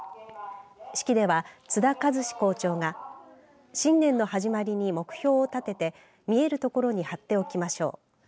式では津田一司校長が新年の始まりに目標を立てて見えるところに貼っておきましょう。